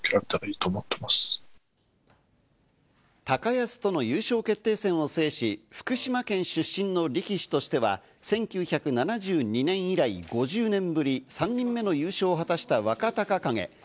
高安との優勝決定戦を制し福島県出身の力士としては１９７２年以来５０年ぶり３人目の優勝を果たした若隆景。